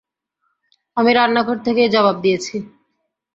আমি রান্নাঘর থেকেই জবাব দিয়েছি।